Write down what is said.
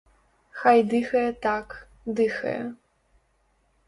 Хай дыхае так, дыхае.